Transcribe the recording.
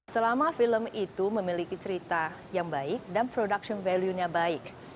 selama film itu memiliki cerita yang baik dan production value nya baik